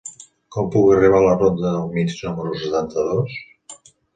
Com puc arribar a la ronda del Mig número setanta-dos?